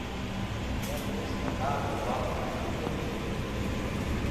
Dimecres na Dàlia vol anar a Beuda.